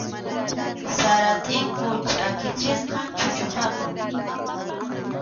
Sara tʼimpu chʼakichisqam chuchuqaqa.